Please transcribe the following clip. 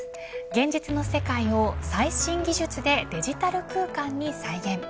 現実の世界を最新技術でデジタル空間に再現